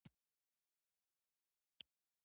که تبه، ټوخۍ او ستړیا لرئ ډاکټر ته لاړ شئ!